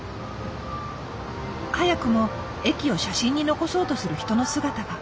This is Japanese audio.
早くも駅を写真に残そうとする人の姿が。